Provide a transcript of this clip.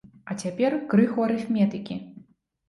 А цяпер крыху арыфметыкі.